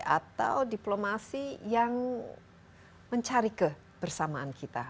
atau diplomasi yang mencari kebersamaan kita